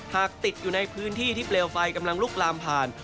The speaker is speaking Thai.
ติดอยู่ในพื้นที่ที่เปลวไฟกำลังลุกลามผ่าน